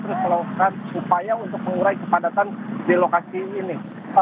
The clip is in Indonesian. terus melakukan upaya untuk mengurai kepadatan di lokasi ini